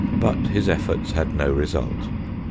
But his efforts had no result.